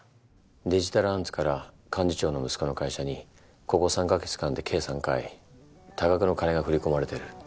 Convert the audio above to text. デジタルアンツから幹事長の息子の会社にここ３カ月間で計３回多額の金が振り込まれてる。